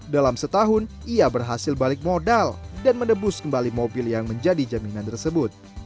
dalam setahun ia berhasil balik modal dan menebus kembali mobil yang menjadi jaminan tersebut